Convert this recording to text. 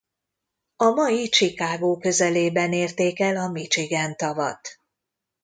A mai Chicago közelében érték el a Michigan-tavat.